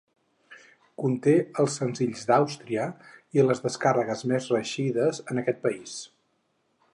Conté els senzills d'Àustria i les descàrregues més reeixides en aquest país.